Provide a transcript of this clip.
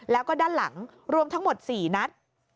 แล้วก็ด้านหลังรวมทั้งหมด๔นัด